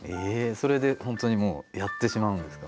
それで本当にもうやってしまうんですか？